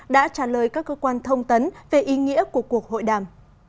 đã trả lời các cơ quan thông tấn về ý nghĩa của cuộc hội đàm